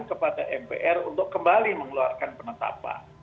kepada mpr untuk kembali mengeluarkan penetapan